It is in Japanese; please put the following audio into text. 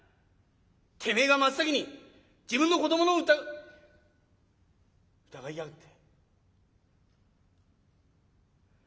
てめえが真っ先に自分の子どもの疑いやがって」。